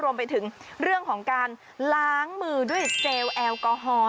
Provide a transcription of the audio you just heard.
รวมไปถึงเรื่องของการล้างมือด้วยเจลแอลกอฮอล์